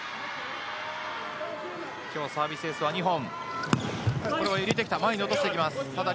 今日サービスエースは２本。